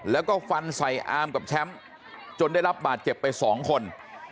แล้วก็ฟันใส่อาร์มกับแชมป์จนได้รับบาดเจ็บไปสองคน